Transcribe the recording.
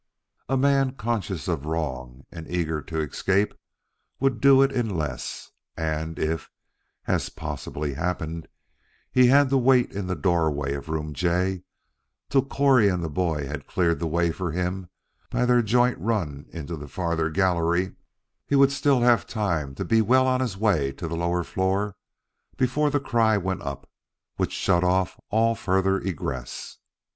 A man conscious of wrong and eager to escape would do it in less; and if, as possibly happened, he had to wait in the doorway of Room J till Correy and the boy had cleared the way for him by their joint run into the farther gallery, he would still have time to be well on his way to the lower floor before the cry went up which shut off all further egress.